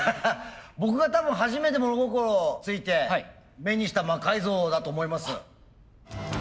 僕が多分初めて物心ついて目にした魔改造だと思います。